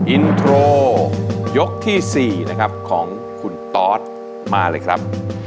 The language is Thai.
อินโทรยกที่๔นะครับของคุณตอสมาเลยครับ